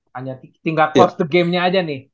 hanya tinggal close the gamenya aja nih